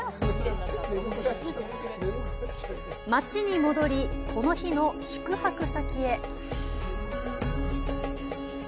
街に戻り、この日の宿泊先へ。